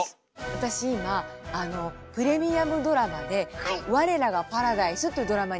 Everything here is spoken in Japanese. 私今あのプレミアムドラマで「我らがパラダイス」というドラマに出演してるの。